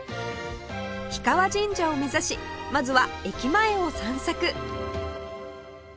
氷川神社を目指しまずは駅前を散策